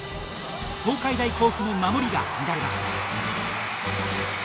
東海大甲府の守りが乱れました。